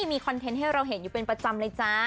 มีคอนเทนต์ให้เราเห็นอยู่เป็นประจำเลยจ้า